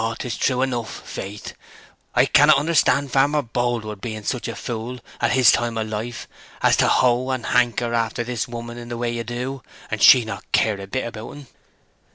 "Oh 'tis true enough, faith. I cannot understand Farmer Boldwood being such a fool at his time of life as to ho and hanker after this woman in the way 'a do, and she not care a bit about en."